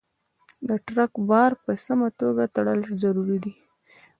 د ټرک بار په سمه توګه تړل ضروري دي.